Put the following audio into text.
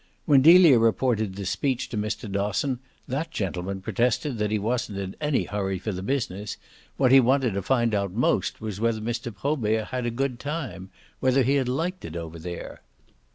When Delia reported this speech to Mr. Dosson that gentleman protested that he wasn't in any hurry for the business; what he wanted to find out most was whether Mr. Probert had a good time whether he had liked it over there.